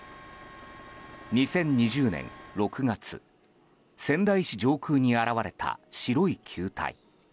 ２０２０年６月仙台市上空に現れた白い球体。